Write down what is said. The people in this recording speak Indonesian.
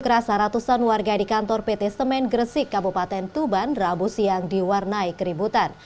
kerasa ratusan warga di kantor pt semen gresik kabupaten tuban rabu siang diwarnai keributan